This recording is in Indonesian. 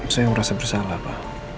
saya merasa bersalah papa